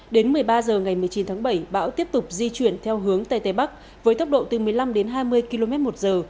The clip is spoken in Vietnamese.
đến một mươi ba h ngày một mươi chín tháng bảy bão tiếp tục di chuyển theo hướng tây tây bắc với tốc độ từ một mươi năm đến hai mươi km một giờ